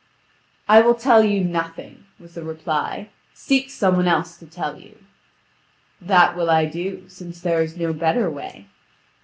"I will tell you nothing," was the reply; "seek some one else to tell you." "That will I do, since there is no better way."